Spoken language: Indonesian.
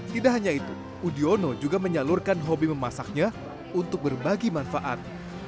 tidak hanya itu udiono juga menyalurkan hobi memasaknya untuk berbagi manfaat